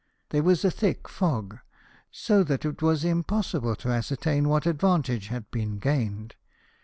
There was a thick fog, so that it was impossible to ascertain what advantage had been gained.